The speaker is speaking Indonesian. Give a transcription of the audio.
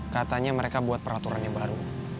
katanya mereka buat peraturannya baru